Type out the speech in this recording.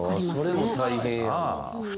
それも大変やな。